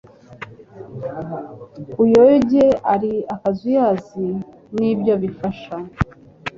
uyoge ari akazuyazi nibyo bifasha